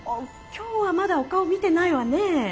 今日はまだお顔見てないわねえ。